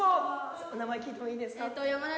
お名前聞いてもいいですか？